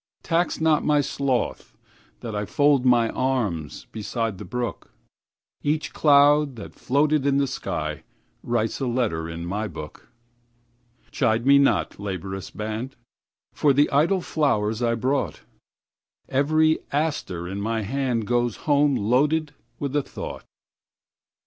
Tax not my sloth that IFold my arms beside the brook; Each cloud that floated in the skyWrites a letter in my book. Chide me not, laborious band, For the idle flowers I brought; Every aster in my handGoes home loaded with a thought.